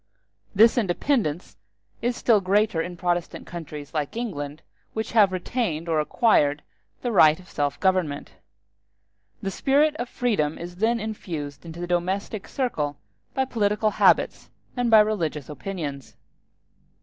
This independence is still greater in Protestant countries, like England, which have retained or acquired the right of self government; the spirit of freedom is then infused into the domestic circle by political habits and by religious opinions.